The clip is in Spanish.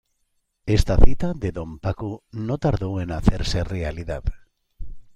Esta cita de don Paco no tardó en hacerse realidad.